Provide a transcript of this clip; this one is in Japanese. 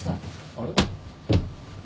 あれ？